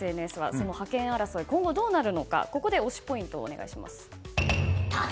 その覇権争い、今後どうなるのかここで推しポイントをお願いします。